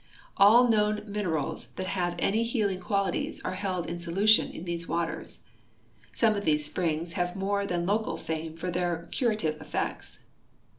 All known minerals that have any heal ing qualities are held in solution in these waters. Some of these springs have more than local fame for their curative effects.